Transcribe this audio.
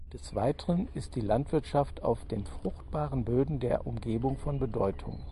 Des Weiteren ist die Landwirtschaft auf den fruchtbaren Böden der Umgebung von Bedeutung.